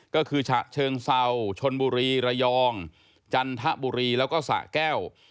ก็คือฉะเชิงเซาชนบุรีระยองจันทบุรีแล้วก็สะแก้ว